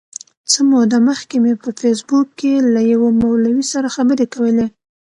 څه موده مخکي مي په فېسبوک کي له یوه مولوي سره خبري کولې.